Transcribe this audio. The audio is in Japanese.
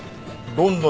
ロンドン。